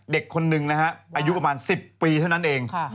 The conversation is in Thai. เด็กคนหนึ่งนะฮะอายุประมาณ๑๐ปีเท่านั้นเอง